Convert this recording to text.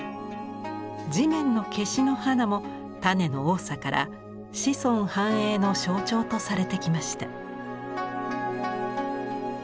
地面のケシの花も種の多さから子孫繁栄の象徴とされてきました。